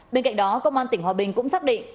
bên cạnh đó công an tỉnh hòa bình cũng xác định